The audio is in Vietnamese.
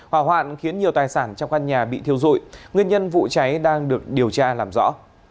hỏa hoạn khiến nhiều tài sản trong căn nhà bị thiêu dụi nguyên nhân vụ cháy đang được điều tra làm rõ